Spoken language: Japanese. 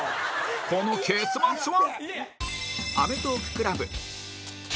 この結末は！？